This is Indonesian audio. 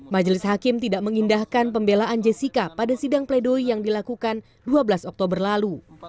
majelis hakim tidak mengindahkan pembelaan jessica pada sidang pledoi yang dilakukan dua belas oktober lalu